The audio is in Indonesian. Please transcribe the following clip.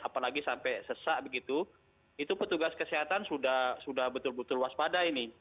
apalagi sampai sesak begitu itu petugas kesehatan sudah betul betul waspada ini